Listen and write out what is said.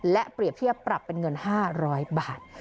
และเปรียบเทียบปรับเป็นเงิน๕๐๐บาท